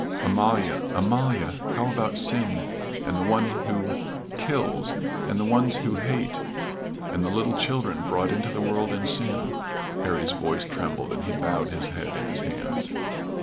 "Amalia Amalia How about sin, and the one who kills and the ones who hate and the little children brought into the world in sin " Harry's voice trembled, and he bowed his head in his hands.